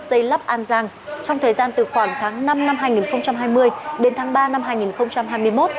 dây lắp an giang trong thời gian từ khoảng tháng năm năm hai nghìn hai mươi đến tháng ba năm hai nghìn hai mươi một